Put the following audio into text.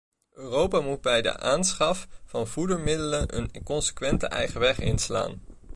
Europa moet bij de aanschaf van voedermiddelen een consequente eigen weg inslaan.